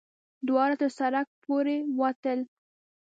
دواړه تر سړک پورې وتل.